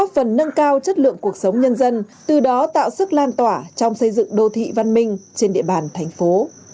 phần nâng cao chất lượng cuộc sống nhân dân từ đó tạo sức lan tỏa trong xây dựng đô thị văn minh trên địa bàn thành phố